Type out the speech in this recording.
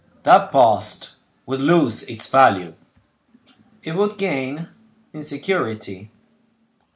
"That post would lose its value." "It would gain in security."